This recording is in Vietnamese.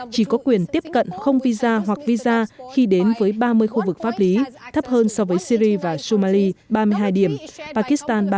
chỉ có quyền tiếp cận không visa hoặc visa khi đến với ba mươi khu vực pháp lý thấp hơn so với syri và somali ba mươi hai điểm pakistan ba mươi tám